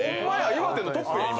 岩手のトップや今。